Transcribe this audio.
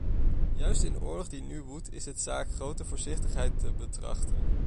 Juist in de oorlog die nu woedt is het zaak grote voorzichtigheid te betrachten.